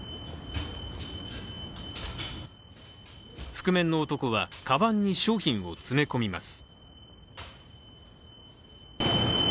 覆面の男は、かばんに商品を詰め込みます。